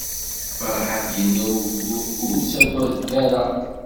Ferḥat yenna i ugdud: Ur ttagadet ara!